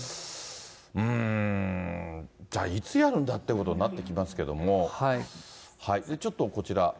うーん、じゃあ、いつやるんだってことになってきますけれども。ちょっとこちら。